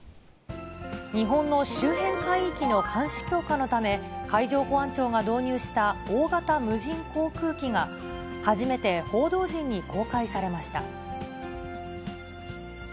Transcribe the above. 日本の周辺海域の監視強化のため、海上保安庁が導入した大型無人航空機が、初めて報道陣に公開されました。